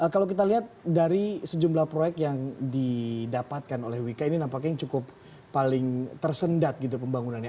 kalau kita lihat dari sejumlah proyek yang didapatkan oleh wika ini nampaknya yang cukup paling tersendat gitu pembangunannya